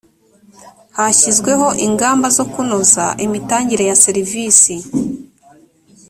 hashyizweho ingamba zo kunoza imitangire ya serivisi